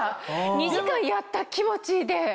２時間やった気持ちで。